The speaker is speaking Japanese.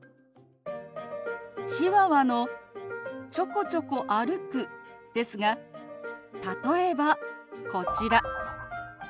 チワワの「ちょこちょこ歩く」ですが例えばこちら。